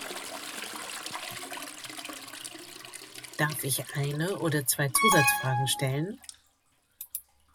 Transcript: Darf ich eine oder zwei Zusatzfragen stellen?